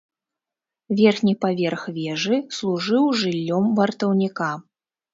Верхні паверх вежы служыў жыллём вартаўніка.